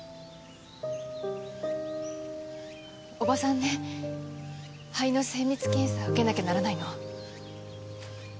おばさんね肺の精密検査受けなきゃならないの。